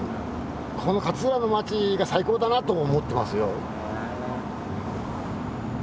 この勝浦の町が最高だなとも思ってますよ。